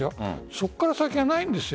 そこから先がないんです。